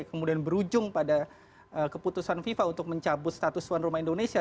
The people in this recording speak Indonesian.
kemudian berujung pada keputusan fifa untuk mencabut status tuan rumah indonesia